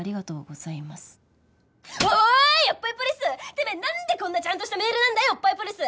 てめえなんでこんなちゃんとしたメールなんだよおっぱいポリス！